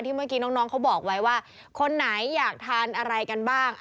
เมื่อกี้น้องเขาบอกไว้ว่าคนไหนอยากทานอะไรกันบ้าง